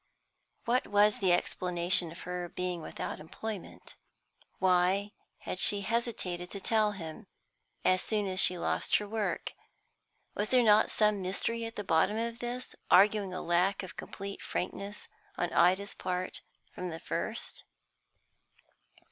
What was the explanation of her being without employment? Why had she hesitated to tell him, as soon as she lost her work? Was there not some mystery at the bottom of this, arguing a lack of complete frankness on Ida's part from the first?